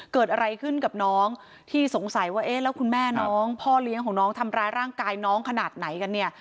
เกิดอะไรขึ้นกับน้องที่สงสัยว่าเอ๊ะแล้วคุณแม่น้องพ่อเลี้ยงของน้องทำร้ายร่างกายน้องขนาดไหนกันเนี่ย